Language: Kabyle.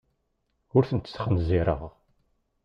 Ur tent-sxenzireɣ.